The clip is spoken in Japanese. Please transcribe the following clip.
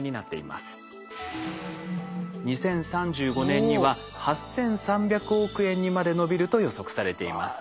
２０３５年には８，３００億円にまで伸びると予測されています。